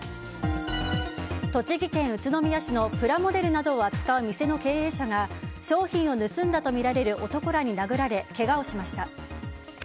栃木県宇都宮市のプラモデルなどを扱う店の経営者が商品を盗んだとみられる男らに殴られけがをしました。